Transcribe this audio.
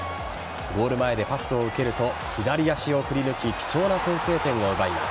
ゴール前でパスを受けると左足を振り抜き貴重な先制点を奪います。